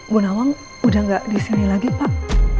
bu nawang udah gak disini lagi pak